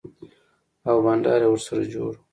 او بنډار يې ورسره جوړ و.